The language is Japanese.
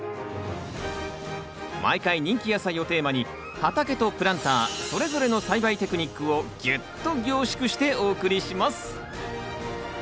毎回人気野菜をテーマに畑とプランターそれぞれの栽培テクニックをギュッと凝縮してお送りします。